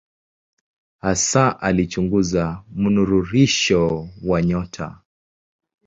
Hasa alichunguza mnururisho wa nyota.